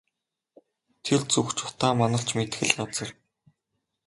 Тэр зүг ч утаа манарч мэдэх л газар.